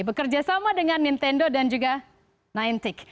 bekerja sama dengan nintendo dan juga nintic